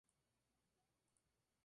Se estructura en tres actos.